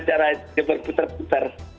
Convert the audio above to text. cara dia berputar putar